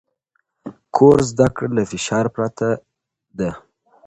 کور زده کړه له فشار پرته ده.